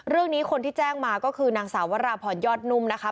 เรื่องนี้คนที่แจ้งมาก็คือนางสาววราพรยอดนุ่มนะคะ